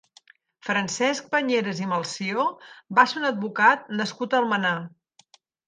Francesc Bañeres i Melcior va ser un advocat nascut a Almenar.